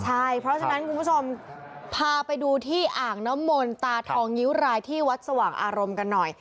ใช่เพราะฉะนั้นคุณผู้ชมพาไปดูที่อ่างน้ำมนตาทองงิ้วรายที่วัดสว่างอารมณ์กันหน่อย